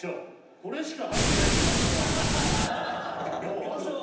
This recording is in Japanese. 「これしか入ってないっていう可能性もあるよ」